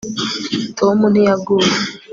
tom ntiyaguye